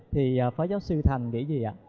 thì phó giáo sư thành nghĩ gì ạ